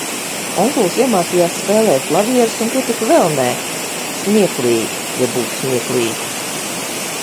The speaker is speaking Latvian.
Onkulis iemācījās spēlēt klavieres un ko tik vēl nē, smieklīgi, ja būtu smieklīgi.